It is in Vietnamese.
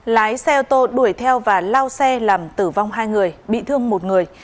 lái xe ô tô đuổi theo và lao xe làm tử vong hai người bị thương một người